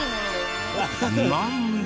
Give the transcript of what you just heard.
なんだ？